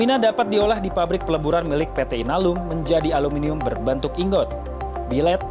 bunga ini juga diolah di pabrik peleburan milik pt inalum menjadi aluminium berbentuk ingot bilet dan juga aloi